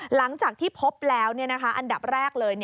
หลังจากที่พบแล้วอันดับแรกเลย